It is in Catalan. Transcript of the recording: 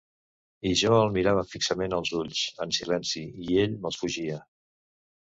I jo el mirava fixament als ulls, en silenci, i ell me'ls fugia.